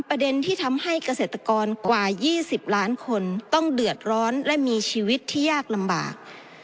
ประเด็นที่ทำให้เกษตรกรกว่า๒๐ล้านคนต้องเดือดร้อนและมีชีวิตที่ยากลำบาก